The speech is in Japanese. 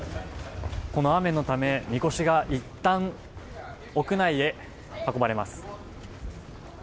この雨のため、みこしがいったん屋内へ運ばれます。